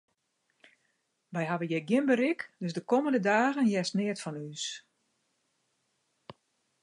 Wy hawwe hjir gjin berik, dus de kommende dagen hearst neat fan ús.